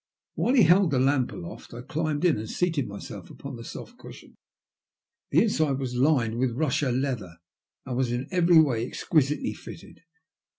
While he held the lamp aloft I climbed in and seated myself upon the soft cushions. The inside was lined with Bussia leather, and was in every way exquisitely fitted.